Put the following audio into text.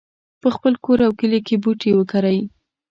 په خپل کور او کلي کې بوټي وکرئ